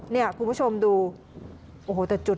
เนี่ยคุณผู้ชมดูโอ้โหแต่จุด